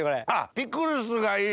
ピクルスがいい。